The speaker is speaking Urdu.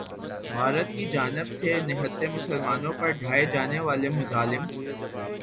بھارت کی جانب سے نہتے مسلمانوں پر ڈھائے جانے والے مظالم